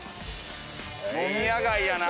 飲み屋街やな。